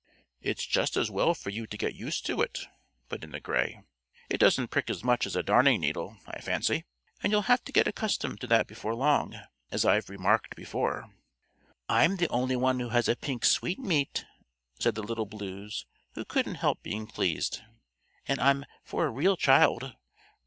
"It's just as well for you to get used to it," put in the Gray. "It doesn't prick as much as a darning needle, I fancy, and you'll have to get accustomed to that before long, as I've remarked before." "I'm the only one who has a pink sweetmeat," said the Little Blues, who couldn't help being pleased. "And I'm for a real child.